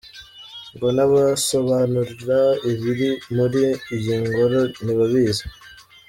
Ngo n’abasobanura ibiri muri iyi ngoro ntibabizi…